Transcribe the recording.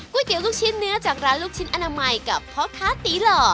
เตี๋ยวลูกชิ้นเนื้อจากร้านลูกชิ้นอนามัยกับพ่อค้าตีหล่อ